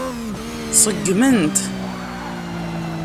Ṣeggmen-t.